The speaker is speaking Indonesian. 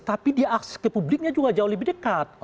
tapi dia akses ke publiknya juga jauh lebih dekat